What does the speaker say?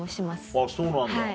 あっそうなんだ。